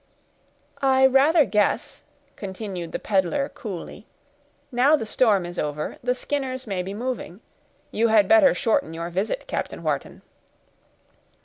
"I rather guess," continued the peddler, coolly, "now the storm is over, the Skinners may be moving; you had better shorten your visit, Captain Wharton."